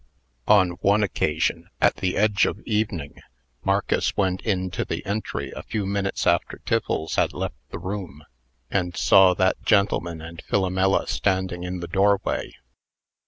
On one occasion at the edge of evening Marcus went into the entry a few minutes after Tiffles had left the room, and saw that gentleman and Philomela standing in the doorway.